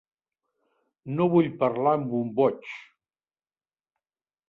No vull parlar amb un boig.